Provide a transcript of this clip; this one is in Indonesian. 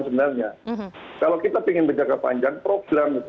sebenarnya kalau kita ingin menjaga panjang program